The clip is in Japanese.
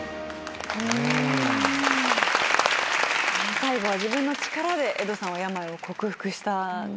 最後は自分の力でエドさんは病を克服した。